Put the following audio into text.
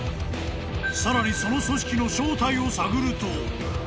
［さらにその組織の正体を探ると］